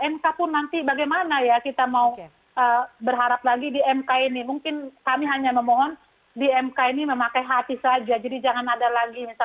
mk pun nanti bagaimana ya kita mau berharap lagi di mk ini mungkin kami hanya memohon di mk ini memakai hati saja jadi jangan ada lagi misalnya